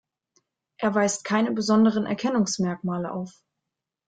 Er weist keine besonderen Erkennungsmerkmale auf.